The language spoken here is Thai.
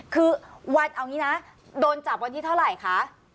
คือวันเอางี้นะโดนจับวันที่เท่าไหร่คะ